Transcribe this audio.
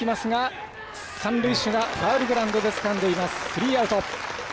スリーアウト。